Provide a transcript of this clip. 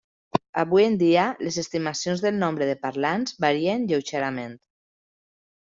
Avui en dia, les estimacions del nombre de parlants varien lleugerament.